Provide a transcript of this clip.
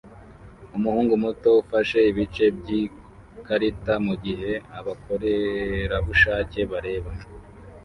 umuhungu muto ufashe ibice by'ikarita mugihe abakorerabushake bareba